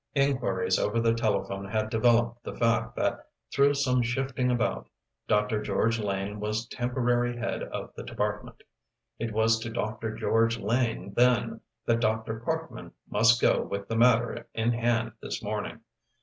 Inquiries over the telephone had developed the fact that through some shifting about, Dr. George Lane was temporary head of the department; it was to Dr. George Lane then that Dr. Parkman must go with the matter in hand this morning.